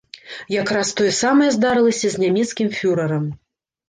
Якраз тое самае здарылася з нямецкім фюрэрам.